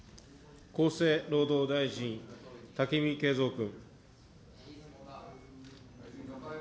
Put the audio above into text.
厚生労働大臣、武見敬三君。